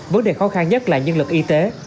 vấn đề khó khăn nhất là nhân lực y tế